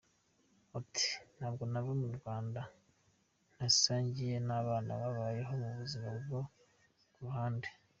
Ati “Ntabwo nava mu Rwanda ntasangiye n’abana babayeho mu buzima bwo ku muhanda.